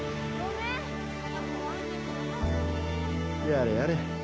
やれやれ。